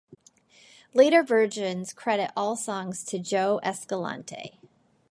Later versions credit all songs to Joe Escalante.